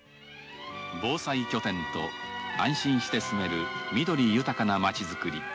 防災拠点と安心して住める緑豊かなまちづくり。